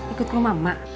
ikut lu mam mak